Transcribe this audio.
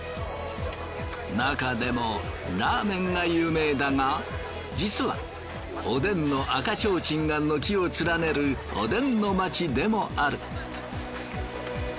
なかでもラーメンが有名だが実はおでんの赤ちょうちんが軒を連ねるおでんの街でもある。